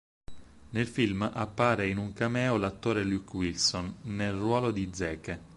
Nel film appare in un cameo l'attore Luke Wilson, nel ruolo di Zeke.